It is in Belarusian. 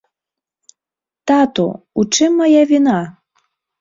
Тату, у чым мая віна?